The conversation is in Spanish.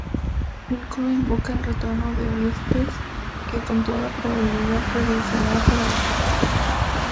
El coro invoca el retorno de Orestes, que con toda probabilidad regresará para vengarse.